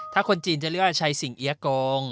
ถ้าคนจีนจะเรียกว่าชัยสิงเอียกง